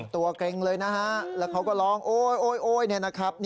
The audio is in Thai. ตัวเกร็งเลยนะครับแล้วเขาก็ร้องโอ๊ยนะครับ